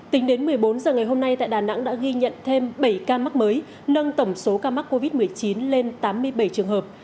tính đến một mươi bốn h ngày hôm nay tại đà nẵng đã ghi nhận thêm bảy ca mắc mới nâng tổng số ca mắc covid một mươi chín lên tám mươi bảy trường hợp